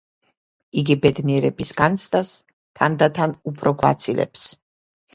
იგი ბედნიერების განცდას თანდათან უფრო გვაცილებს.